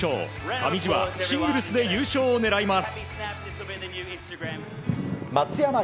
上地はシングルスで優勝を狙います。